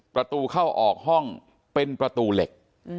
ประตูเข้าออกห้องเป็นประตูเหล็ก